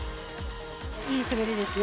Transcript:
いい滑りですね。